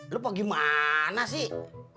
lo mau gimana sih